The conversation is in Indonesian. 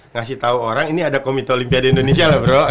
ngasih tau orang ini ada komite olimpia di indonesia